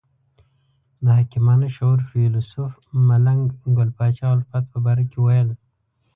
د حکیمانه شعور فیلسوف ملنګ ګل پاچا الفت په باره کې ویل.